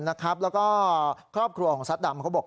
เออนะครับแล้วก็ครอบครัวของสัตว์ดำเขาบอก